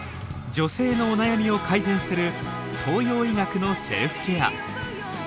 女性のお悩みを改善する東洋医学のセルフケア。